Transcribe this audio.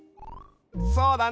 そうだね。